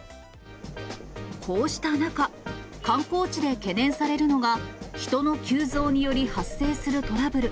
こうした中、観光地で懸念されるのが、人の急増により発生するトラブル。